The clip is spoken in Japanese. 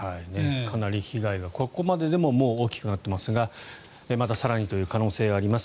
かなり被害がここまででも大きくなっていますがまた更にという可能性があります。